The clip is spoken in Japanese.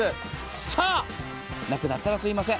さあ、なくなったすみません。